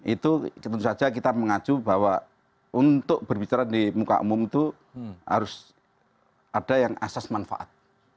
itu tentu saja kita mengacu bahwa untuk berbicara di muka umum itu harus ada yang asas manfaat